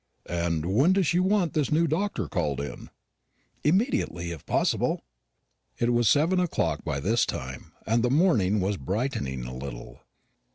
"And when does she want this new doctor called in?" "Immediately, if possible." It was seven o'clock by this time, and the morning was brightening a little.